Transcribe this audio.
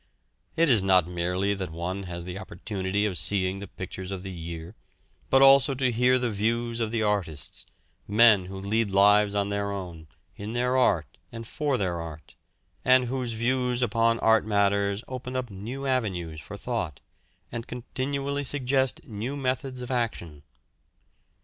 It is not merely that one has the opportunity of seeing the pictures of the year, but also to hear the views of the artists; men who lead lives of their own, in their art, and for their art, and whose views upon art matters open up new avenues for thought, and continually suggest new methods of action.